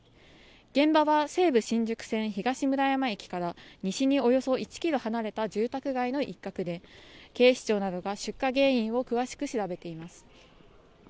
現場は西武新宿線東村山駅から西におよそ１ｋｍ離れた住宅街の一角で警視庁などが出火原因を詳しく調べています